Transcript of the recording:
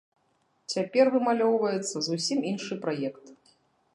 Цяпер вымалёўваецца зусім іншы праект.